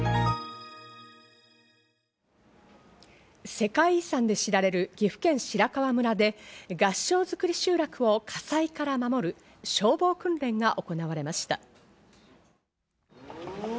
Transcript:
世界遺産で知られる岐阜県白川村で合掌造り集落を火災から守る消防訓練が行われました。